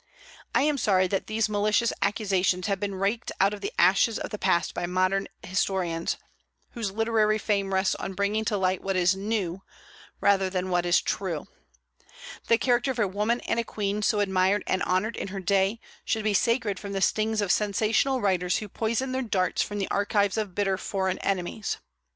I am sorry that these malicious accusations have been raked out of the ashes of the past by modern historians, whose literary fame rests on bringing to light what is new rather than what is true. The character of a woman and a queen so admired and honored in her day, should be sacred from the stings of sensational writers who poison their darts from the archives of bitter foreign enemies.